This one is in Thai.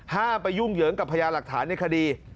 ไปยุ่งเหยิงกับพญาหลักฐานในคดี